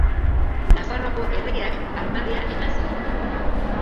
Nafarroako erregeak, armarria eman zion.